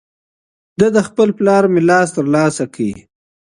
ده د خپل پلار میراث ترلاسه کړی و